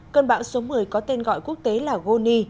cơn bão số một mươi có tên gọi quốc tế là goni